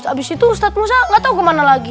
nah abis itu ustadz musa nggak tau kemana lagi